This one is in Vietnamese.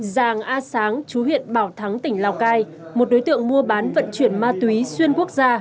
giàng a sáng chú huyện bảo thắng tỉnh lào cai một đối tượng mua bán vận chuyển ma túy xuyên quốc gia